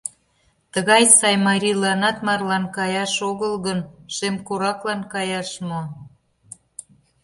Тыгай сай марийланат марлан каяш огыл гын, шем кораклан каяш мо?